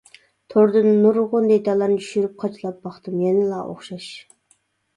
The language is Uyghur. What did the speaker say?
توردىن نۇرغۇن دېتاللارنى چۈشۈرۈپ قاچىلاپ باقتىم يەنىلا ئوخشاش.